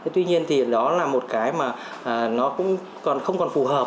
tuy nhiên đó là một cái mà nó cũng không còn phù hợp